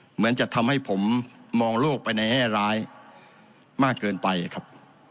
เหมือนจะทำให้ผมมองโลกไปในแง่ร้ายมากเกินไปครับ